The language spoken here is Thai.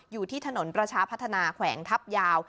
อยู่ที่ถนนประชาพัฒนาแขวงทัพยาว